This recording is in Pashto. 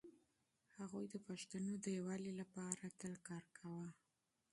هغوی د پښتنو د يووالي لپاره تل کار کاوه.